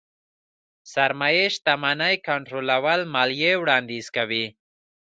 سرمايې شتمنۍ کنټرول ماليې وړانديز کوي.